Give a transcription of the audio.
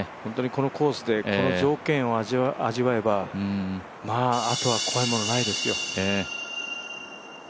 このコースでこの条件を味わえば、まあ、あとは怖いものないですよ。